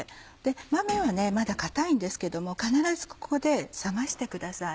豆はまだ硬いんですけども必ずここで冷ましてください。